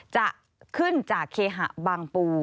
จะขึ้นจากเคหะบางปู